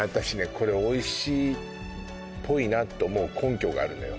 これおいしいっぽいなって思う根拠があるのよ